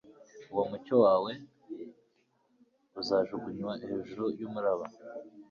umucyo wawe uzajugunywa hejuru yumuraba